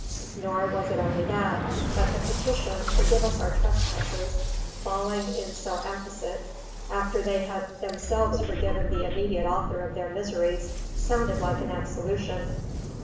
Nor was it only that. But the petition "Forgive us our trespasses," falling in so apposite after they had themselves forgiven the immediate author of their miseries, sounded like an absolution.